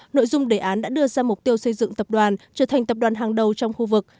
nội dung đề án đã đưa ra mục tiêu xây dựng tập đoàn trở thành tập đoàn hàng đầu trong khu vực